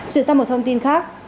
chuyển sang một thông tin khác